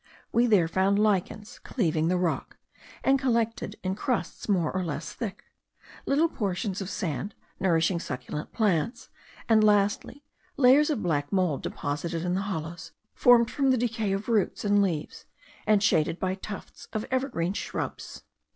We there found lichens cleaving the rock, and collected in crusts more or less thick; little portions of sand nourishing succulent plants; and lastly layers of black mould deposited in the hollows, formed from the decay of roots and leaves, and shaded by tufts of evergreen shrubs.